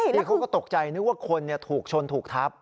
นี่เขาก็ตกใจนึกว่าคนถูกชนถูกทับ